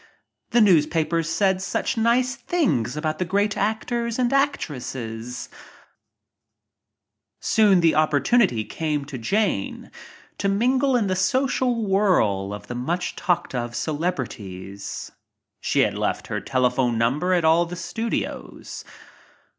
The newspapers said such nice things about the great actors and actresses — Soon opportunity came to Jane to mingle in the social whirl of the much talked of celebrities. She had left her telephone number at all the studios.